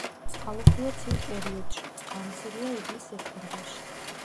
წყალუხვია ცივ პერიოდშ, წყალმცირეა ივლის-სექტემბერში.